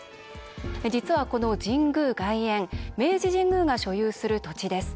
実は、この神宮外苑明治神宮が所有する土地です。